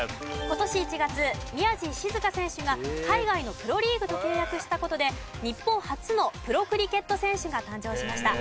今年１月宮地静香選手が海外のプロリーグと契約した事で日本初のプロクリケット選手が誕生しました。